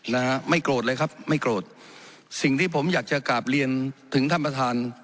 นะฮะไม่โกรธเลยครับไม่โกรธสิ่งที่ผมอยากจะกลับเรียนถึงท่านประธาน